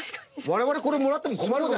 我々これもらっても困る。